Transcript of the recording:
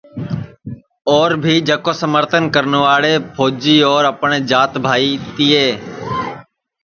اور بھی جکو سمرتن کرنواڑے پھوجی اور اپٹؔے جات بھائی تیے